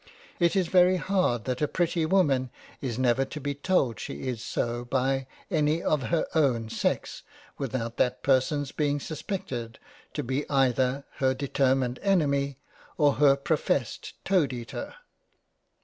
It is very hard that a pretty woman is never to be told she is so by any one of her own sex without that person's being suspected to be either her determined Enemy, or her professed Toad eater.